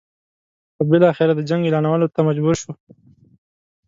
خو بالاخره د جنګ اعلانولو ته مجبور شو.